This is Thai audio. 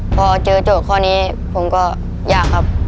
พอเจอโจทย์ข้อนี้ผมก็ยากครับ